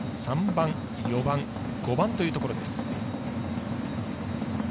３番、４番、５番というところ。